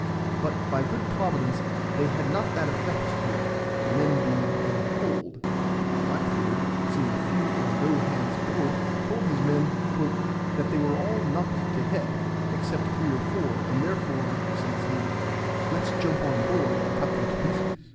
But, by good Providence, they had not that effect here, the men being in the hold. Black beard, seeing few or no hands aboard, told his men "that they were all knocked to head, except three or four; and therefore," says he, "let's jump on board and cut them to pieces."